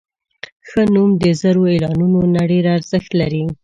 ښه نوم د زرو اعلانونو نه ډېر ارزښت لري.